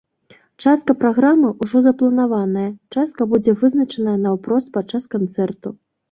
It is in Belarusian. Частка праграмы ўжо запланаваная, частка будзе вызначаная наўпрост падчас канцэрту.